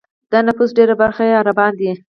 د نفوس ډېری برخه یې عربان دي.